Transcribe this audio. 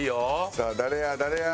さあ誰や？